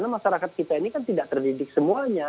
masyarakat kita ini tidak terdidik semuanya